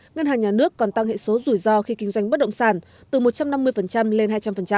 ngân hàng nhà nước còn tăng hệ số rủi ro khi kinh doanh bất động sản từ một trăm năm mươi lên hai trăm linh